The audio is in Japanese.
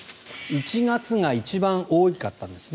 １月が一番多かったんですね